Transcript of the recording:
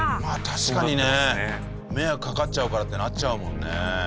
まあ確かにね。迷惑かかっちゃうからってなっちゃうもんね。